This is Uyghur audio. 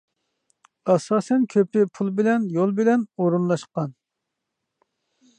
ئاساسەن كۆپى پۇل بىلەن يول بىلەن ئورۇنلاشقان.